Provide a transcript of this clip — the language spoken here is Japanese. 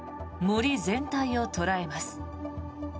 森全体を捉えます。